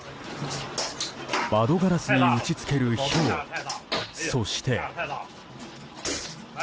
窓ガラスに打ち付けるひょうそして。